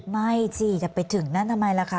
ไม่สิจะไปถึงนั่นทำไมล่ะคะ